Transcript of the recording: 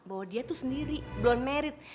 bahwa dia tuh sendiri belum married